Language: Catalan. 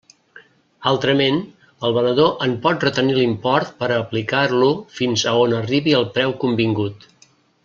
Altrament, el venedor en pot retenir l'import per a aplicar-lo fins a on arribi el preu convingut.